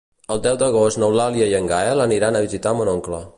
El deu d'agost n'Eulàlia i en Gaël aniran a visitar mon oncle.